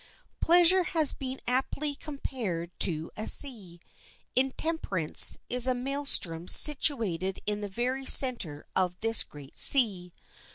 Pleasure has been aptly compared to a sea. Intemperance is a maelstrom situated in the very center of this great sea.